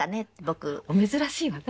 お珍しいわね。